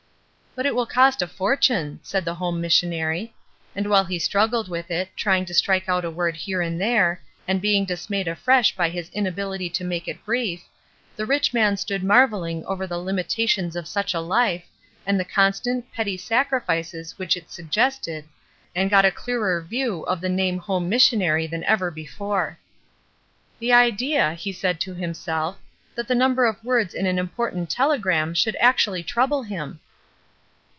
''But it will cost a fortune," said the home missionary. And while he struggled with it, trying to strike out a word here and there, and being dismayed afresh by his inability to make it brief, the rich man stood marvelUng over the limitations of such a life, and the constant, petty sacrifices which it suggested, and got a clearer view of the name home missionary than ever before. "The idea," he said to himself, "that the number of words in an important telegram should actually trouble him!"